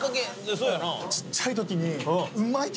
そうやな。